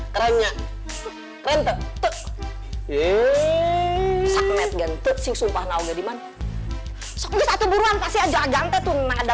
kerennya keren tepuk yee sumpah nah udah dimana satu buruan pasti aja gantetun ada